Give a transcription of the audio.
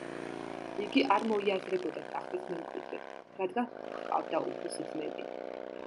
იგი არ მოიაზრებოდა ტახტის მემკვიდრედ, რადგან ჰყავდა უფროსი ძმები.